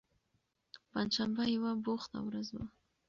پنجشنبه یوه بوخته ورځ وه.